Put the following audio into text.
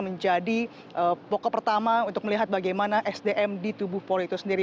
menjadi pokok pertama untuk melihat bagaimana sdm di tubuh polri itu sendiri